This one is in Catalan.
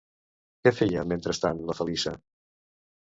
Què feia, mentrestant, la Feliça?